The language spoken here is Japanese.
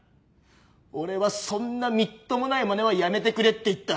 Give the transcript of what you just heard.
俺はそんなみっともないまねはやめてくれって言った。